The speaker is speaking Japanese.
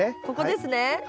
ここですね？